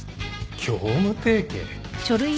業務提携？